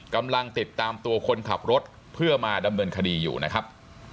กำลังติดตามตัวคนขับรถเพื่อมาดำเนินคดีอยู่นะครับ